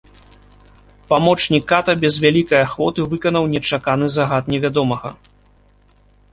Памочнік ката без вялікай ахвоты выканаў нечаканы загад невядомага.